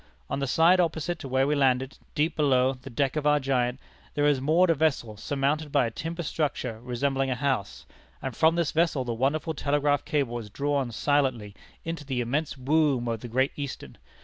On the side opposite to where we landed, deep below the deck of our giant, there is moored a vessel surmounted by a timber structure resembling a house, and from this vessel the wonderful telegraph cable is drawn silently into the immense womb of the Great Eastern.